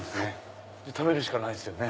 食べるしかないですよね。